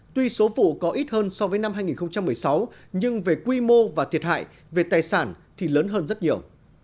tuy số vụ có ít hơn so với năm hai nghìn một mươi sáu nhưng về quy mô và thiệt hại về tài sản thì lớn hơn rất nhiều